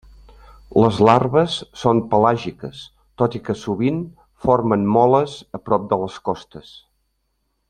Les larves són pelàgiques, tot i que, sovint, formen moles a prop de les costes.